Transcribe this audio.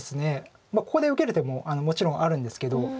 ここで受ける手ももちろんあるんですけど。